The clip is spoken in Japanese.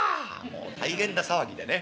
もう大変な騒ぎでね。